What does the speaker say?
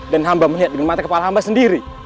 dan hamba melihat dengan mata kepala hamba sendiri